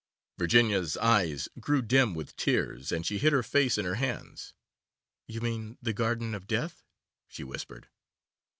Virginia's eyes grew dim with tears, and she hid her face in her hands. 'You mean the Garden of Death,' she whispered.